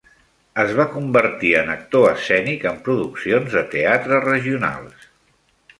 Es va convertir en actor escènic en produccions de teatre regionals.